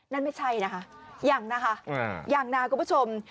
นั่นไม่ใช่นะคะอย่างนะว่ะคุณผู้ชม